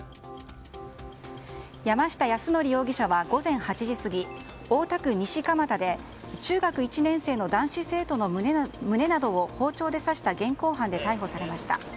山下泰範容疑者は午前８時過ぎ大田区西蒲田で中学１年生の男子生徒の胸などを包丁で刺した現行犯逮捕で逮捕されました。